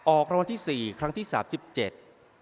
ออกรางวัลที่สี่ครั้งที่สามสิบเจ็ด